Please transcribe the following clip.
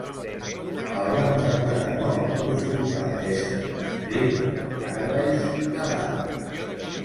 El van declarar mort a l'hospital Desert Springs de Paradise, Nevada.